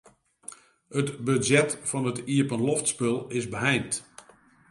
It budzjet fan it iepenloftspul is beheind.